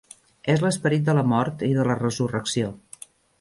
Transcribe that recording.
És l'esperit de la mort i de la resurrecció.